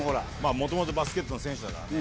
もともとバスケットの選手だからね。